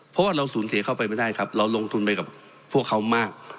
เพราะว่าเราสูญเสียเข้าไปไม่ได้ครับเราลงทุนไปกับพวกเขามาก